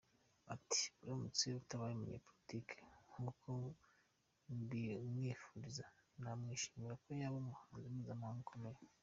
Ati “Aramutse atabaye umunyapolitike nk’uko mbimwifuriza, nakwishimira ko yaba umuhanzi mpuzamahanga ukomeye.